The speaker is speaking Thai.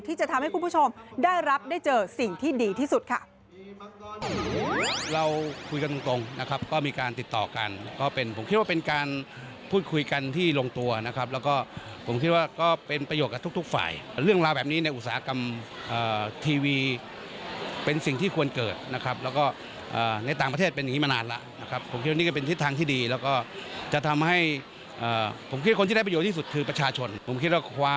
ที่จะทำให้คุณผู้ชมได้รับได้เจอสิ่งที่ดีที่สุดค่ะ